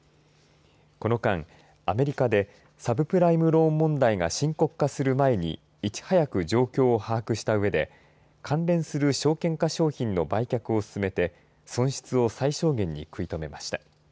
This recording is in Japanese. この間、アメリカでサブプライムローン問題が深刻化する前にいち早く状況を把握したうえで関連する証券化商品の売却を進めて損失を最小限に食い止めました。